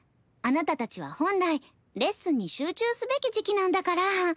あなたたちは本来レッスンに集中すべき時期なんだから。